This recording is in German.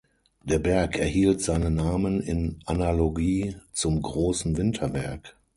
Der Berg erhielt seinen Namen in Analogie zum Großen Winterberg.